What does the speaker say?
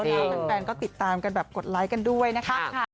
แล้วแฟนก็ติดตามกันแบบกดไลค์กันด้วยนะคะ